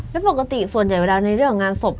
แล้วปกติส่วนใหญ่เวลาในเรื่องงานศพ